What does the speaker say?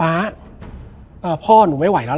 แล้วสักครั้งหนึ่งเขารู้สึกอึดอัดที่หน้าอก